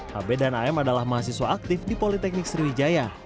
hb dan am adalah mahasiswa aktif di politeknik sriwijaya